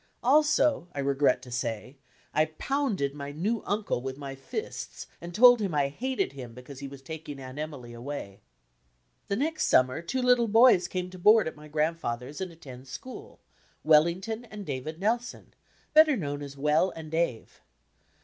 Also, I regret to say, I pounded my new uncle with my fists and told him I hated him be* cause he was taking Aunt Emily away. The next summer two Htde boys came to board at my grandfather's and anend school, Wellington and David Nelson, better known as "Well" and "Dave."